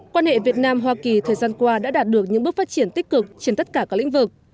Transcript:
quan hệ việt nam hoa kỳ thời gian qua đã đạt được những bước phát triển tích cực trên tất cả các lĩnh vực